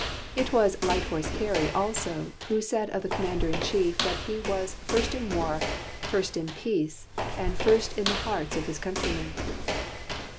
It was "Light Horse Harry" also, who said of the Commander in Chief that he was "first in war, first in peace, and first in the hearts of his countrymen!"